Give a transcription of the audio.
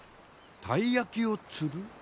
たい焼きを釣る？